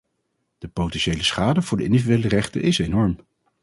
De potentiële schade voor de individuele rechten is enorm.